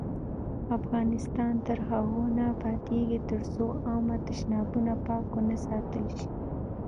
افغانستان تر هغو نه ابادیږي، ترڅو عامه تشنابونه پاک ونه ساتل شي.